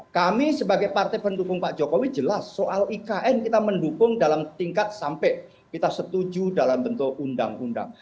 kami sebagai partai pendukung pak jokowi jelas soal ikn kita mendukung dalam tingkat sampai kita setuju dalam bentuk undang undang